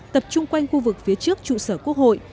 tập trung quanh khu vực phía trước trụ sở quốc hội